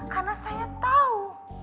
karena saya tahu